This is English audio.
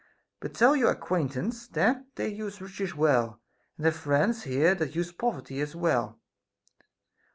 But tell your acquaintance that they use riches well, and have friends here that use poverty as well.